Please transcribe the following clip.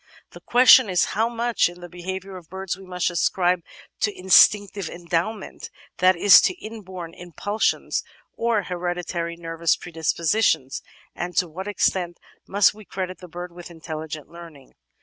The question is how much in the behaviour of birds we must ascribe to instinctive endowment, that is, to inborn impulsions or hereditary nervous predispositions, and to what extent must we credit the bird with intelligent learning?